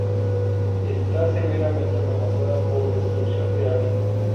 Está severamente amenazada por destrucción de hábitat.